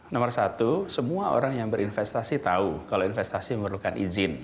nomor satu semua orang yang berinvestasi tahu kalau investasi memerlukan izin